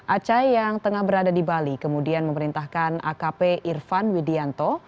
acai yang tengah berada di bali kemudian memerintahkan akp irfan widianto